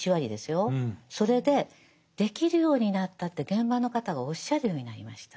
それでできるようになったって現場の方がおっしゃるようになりました。